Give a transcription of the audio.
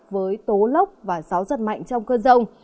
với tố lốc và gió giật mạnh trong cơn rông